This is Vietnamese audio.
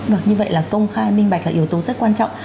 vâng như vậy là công khai minh bạch là yếu tố rất quan trọng